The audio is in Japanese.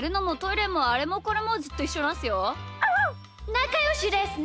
なかよしですね！